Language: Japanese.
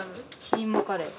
キーマカレー。